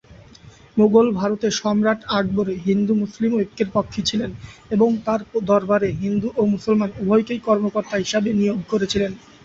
মোগল ভারতে সম্রাট আকবর হিন্দু-মুসলিম ঐক্যের পক্ষে ছিলেন এবং তাঁর দরবারে হিন্দু ও মুসলমান উভয়কেই কর্মকর্তা হিসাবে নিয়োগ করেছিলেন।